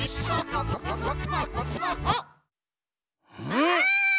あっ！